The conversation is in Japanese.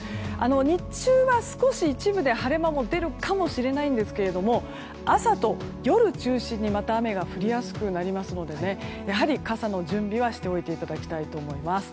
日中は少し、一部で晴れ間も出るかもしれないんですが朝と夜中心に雨が降りやすくなりますのでやはり傘の準備はしておいていただきたいと思います。